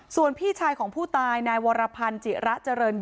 ส่วนพี่ชายของผู้ตายในวรพันธุ์จิระเจริญหยิ่ง